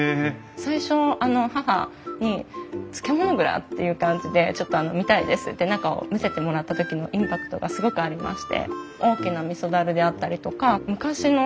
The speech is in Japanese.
最初あの義母に漬物蔵！？っていう感じでちょっと見たいですって中を見せてもらった時のインパクトがすごくありまして。